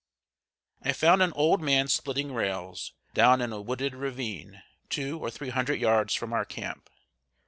] I found an old man splitting rails, down in a wooded ravine two or three hundred yards from our camp.